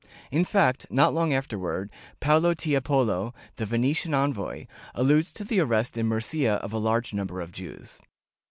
^ In fact, not long afterward, Paolo Tiepolo, the Venetian envoy, alludes to the arrest in Murcia of a large number of Jews.